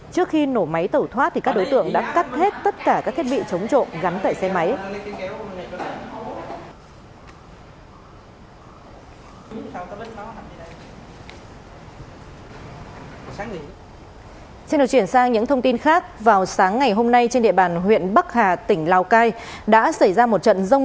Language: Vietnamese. trước khi nổ máy tẩu thoát thì các đối tượng đã cắt hết tất cả các thiết bị chống trộm gắn tại xe máy